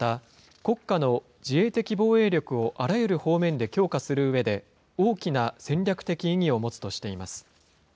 また、国家の自衛的防衛力をあらゆる方面で強化するうえで、大きな戦略的意義を持つとしています。